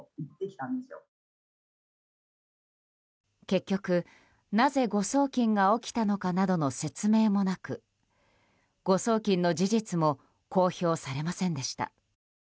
結局なぜ誤送金が起きたのかなどの説明もなく、誤送金の事実も公表されませんでした。